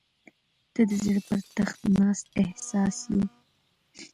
• ته د زړه پر تخت ناست احساس یې.